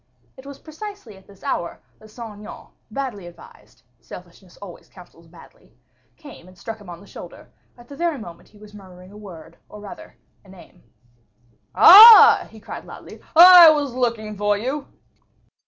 It was precisely at this hour that Saint Aignan, badly advised, selfishness always counsels badly, came and struck him on the shoulder, at the very moment he was murmuring a word, or rather a name. "Ah!" he cried loudly, "I was looking for you."